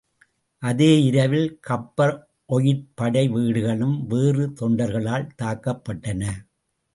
அதே இரவில் கப்பர் ஒயிட் படை வீடுகளும் வேறு தொண்டர்களால் தாக்கப்பட்டன.